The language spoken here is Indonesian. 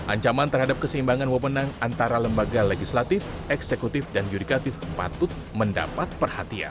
ancaman terhadap keseimbangan wamenang antara lembaga legislatif eksekutif dan yudikatif patut mendapat perhatian